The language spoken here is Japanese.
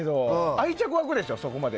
愛着湧くでしょ、ここまで。